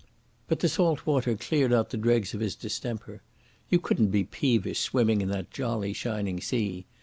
But the salt water cleared out the dregs of his distemper. You couldn't be peevish swimming in that jolly, shining sea.